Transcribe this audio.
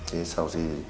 thế sau thì